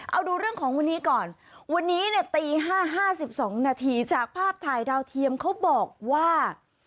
เอาดูเรื่องของวันนี้ก่อนวันนี้เนี่ยตี๕๕๒นาทีจากภาพถ่ายดาวเทียมเขาบอกว่า